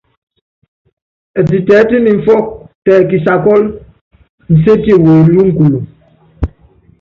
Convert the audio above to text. Ɛtitɛɛ́tíni mfúkɔ́ tɛ kisaakúlɔ, Nsetie welúŋukuluŋ.